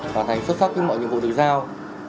hoàn thành xuất sắc mọi nhiệm vụ được giao